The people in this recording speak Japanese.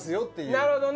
なるほどね。